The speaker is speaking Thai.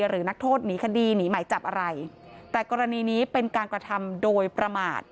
หรือนักโทษหนีคดีหนีหมายจับอะไรแต่กรณีนี้เป็นการกระทำโดยประมาท